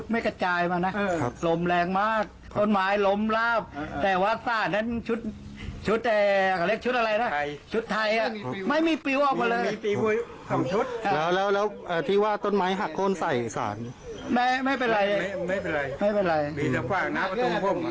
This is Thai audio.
มีแต่ฝากหน้าประตูพรุ่ง